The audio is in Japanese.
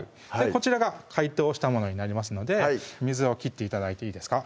こちらが解凍したものになりますので水を切って頂いていいですか？